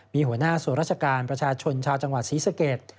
มีหัวหน้าส่วนราชการประชาชนชาวจังหวัดศรีสเกต